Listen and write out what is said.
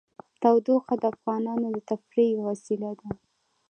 تودوخه د افغانانو د تفریح یوه وسیله ده.